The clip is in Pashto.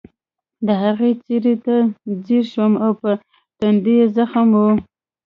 د هغې څېرې ته ځیر شوم او په ټنډه یې زخم و